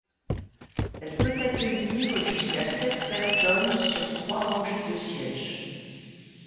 Elle peut accueillir jusqu'à sept personnes, sur trois rangées de sièges.